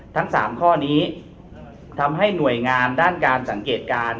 ทั้ง๓ข้อนี้ทำให้หน่วยงานด้านการสังเกตการณ์